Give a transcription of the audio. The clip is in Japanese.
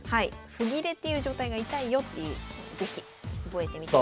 歩切れっていう状態が痛いよって是非覚えてみてください。